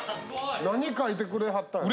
何書いてくれはったんやろ。